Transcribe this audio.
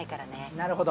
なるほど！